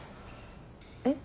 えっ？